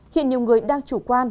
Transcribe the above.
hiện nhiều người đang chủ quan